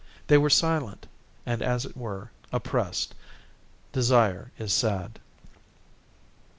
They were silent and as it were oppressed. Desire is sad.